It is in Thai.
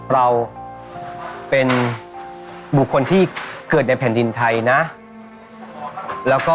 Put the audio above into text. เราเป็นบุคคลที่เกิดในแผ่นดินไทยนะแล้วก็